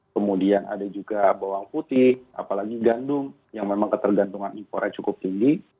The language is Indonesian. kemudian ada juga bawang putih apalagi gandum yang memang ketergantungan impornya cukup tinggi